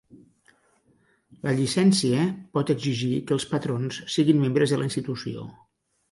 La llicència pot exigir que els patrons siguin membres de la institució.